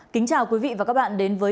kính chào quý vị và các bạn đến với